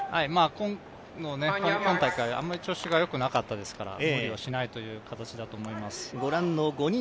今大会、あまり調子がよくなかったですから無理をしない形だと思います。